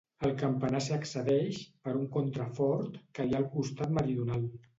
Al campanar s’hi accedeix per un contrafort que hi ha al costat meridional.